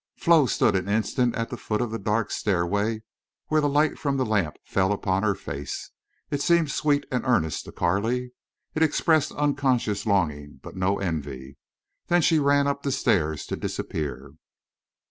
Flo stood an instant at the foot of the dark stairway where the light from the lamp fell upon her face. It seemed sweet and earnest to Carley. It expressed unconscious longing, but no envy. Then she ran up the stairs to disappear.